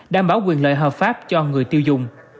đảm bảo quyền lợi hợp pháp cho người tiêu dùng